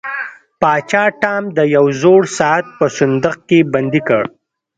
پاچا ټام د یو زوړ ساعت په صندوق کې بندي کړ.